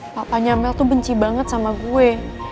papanya mel tuh benci banget sama gue